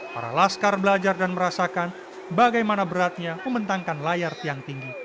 para laskar belajar dan merasakan bagaimana beratnya membentangkan layar tiang tinggi